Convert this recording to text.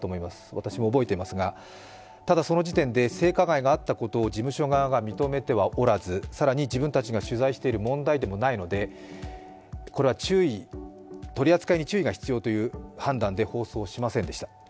私も覚えていますが、ただ、その時点で性加害があったかを事務所側が認めてはおらず自分たちが取材している問題点もないのでこれは取り扱いに注意が必要という判断で放送はしませんでした。